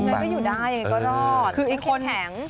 มันก็อยู่ได้ก็รอดมันแข็ง